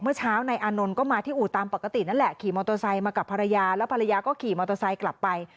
เมื่อเช้านายอานนท์ก็มาที่อู่ตามปกตินั่นแหละขี่มอเตอร์ไซค์มากับภรรยาแล้วภรรยาก็ขี่มอเตอร์ไซค์กลับไป